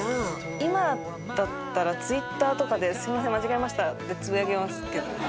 今だったらＴｗｉｔｔｅｒとかですいません間違えましたってつぶやけますけど。